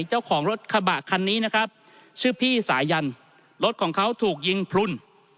เจ้าของรถกระบะคันนี้นะครับชื่อพี่สายันรถของเขาถูกยิงพลุน